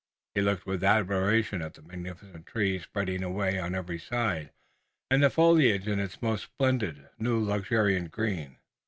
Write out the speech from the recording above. He looked with admiration at the magnificent trees spreading away on every side, and the foliage in its most splendid, new luxuriant green.